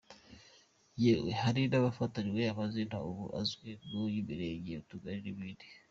Yewe hari n’ abafatanywe amazina ubu azwi ngo y’ imirenge, utugari n’ ibindi.